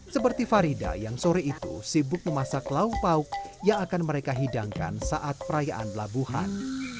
seperti farida yang sore itu sibuk memasak lauk pauk yang akan mereka hidangkan saat perayaan labuhan